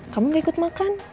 kamu gak ikut makan